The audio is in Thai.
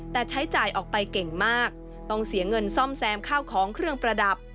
แต่ใช้จ่ายออกไปเก่งมากต้องเสียเงินซ่อมแซมข้าวของเครื่องประดับ